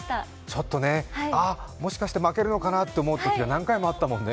ちょっとね、あ、もしかして負けるのかなと思うときが何回もあったもんね。